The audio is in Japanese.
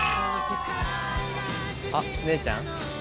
あっ姉ちゃん。